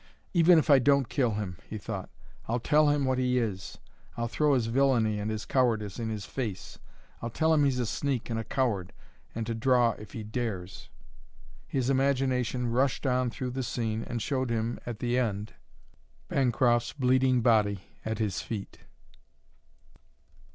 "Even if I don't kill him," he thought, "I'll tell him what he is! I'll throw his villainy and his cowardice in his face! I'll tell him he's a sneak and a coward, and to draw if he dares!" His imagination rushed on through the scene and showed him, at the end, Bancroft's bleeding body at his feet.